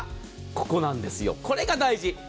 ここなんですよ、これが大事。